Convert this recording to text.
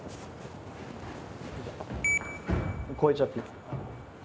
越えちゃっていい。